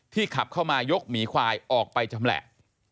ขับเข้ามายกหมีควายออกไปชำแหละ